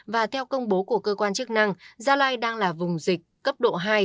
và theo công bố của cơ quan chức năng gia lai đang là vùng dịch cấp độ hai